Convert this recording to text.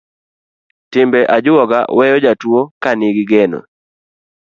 Timbe ajuoga weyo jatuo ka nigi geno.